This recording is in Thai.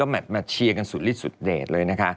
แมทมาเชียร์กันสุดลิดสุดเด็ดเลยนะคะ